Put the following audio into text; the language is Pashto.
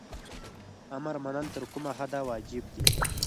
امر منل تر کومه حده واجب دي؟